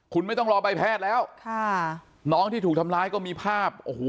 คุณไม่ต้องรอใบแพทย์แล้วค่ะน้องที่ถูกทำร้ายก็มีภาพโอ้โห